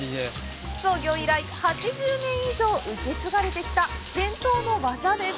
創業以来、８０年以上受け継がれてきた伝統の技です。